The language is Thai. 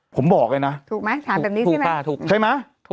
ผมบอกเลยนะถูกไหมถามแบบนี้ถูกไหมถูกใช่ไหม